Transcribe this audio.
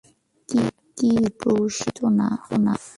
কী, প্রশিক্ষিত না?